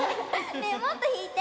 ねえもっとひいて！